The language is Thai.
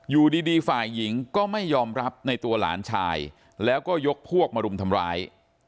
อยู่ดีฝ่ายหญิงก็ไม่ยอมรับในตัวหลานชายแล้วก็ยกพวกมารุมทำร้าย